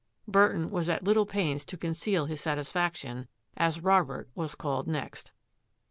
Burton was at little pains to conceal his satisfaction as Robert was called next.